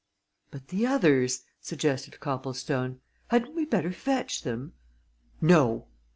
"But the others?" suggested Copplestone. "Hadn't we better fetch them?" "No!"